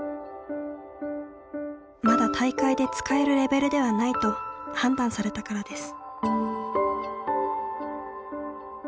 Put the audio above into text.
まだ大会で使えるレベルではないと判断されたからです。